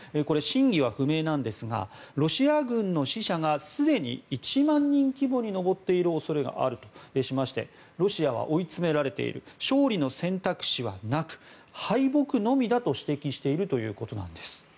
これは真偽は不明なんですがロシア軍の死者がすでに１万人規模に上っている恐れがあるとしましてロシアは追い詰められている勝利の選択肢はなく敗北のみだと指摘しているということです。